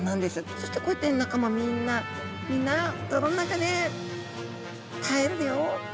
そしてこうやって仲間みんな「みんな泥の中で耐えるよ」。